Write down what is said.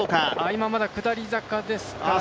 今まだ下り坂ですから。